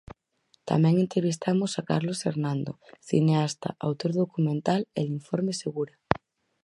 Tamén entrevistamos a Carlos Hernando, cineasta, autor do documental El Informe Segura.